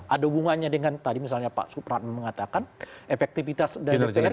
ada hubungannya dengan tadi misalnya pak supran mengatakan efektivitas dpr nggak